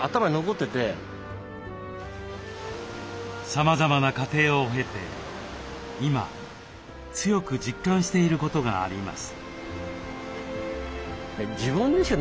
さまざまな過程を経て今強く実感していることがあります。